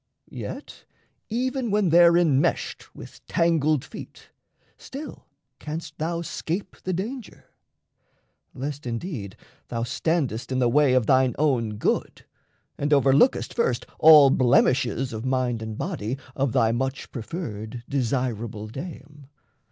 Yet even when there enmeshed with tangled feet, Still canst thou scape the danger lest indeed Thou standest in the way of thine own good, And overlookest first all blemishes Of mind and body of thy much preferred, Desirable dame.